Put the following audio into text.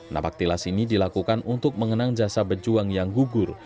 napak tilas ini dilakukan untuk mengenang jasa bejuang yang gugur